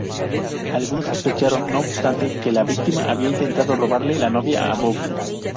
Algunos sospecharon, no obstante, que la víctima había intentado robarle la novia a Bob.